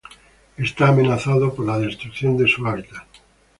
Está amenazado por la destrucción de su hábitat.